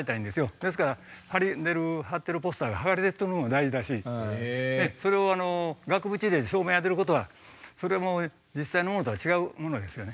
ですから貼ってるポスターが剥がれてってるのも大事だしそれを額縁で照明当てることはそれはもう実際のものと違うものですよね。